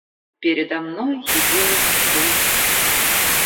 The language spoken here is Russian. Передо мной явилась ты